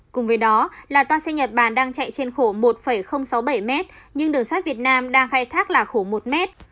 cùng với đó là toa xe nhật bản đang chạy trên khổ một sáu mươi bảy mét nhưng đường sắt việt nam đang khai thác là khổ một mét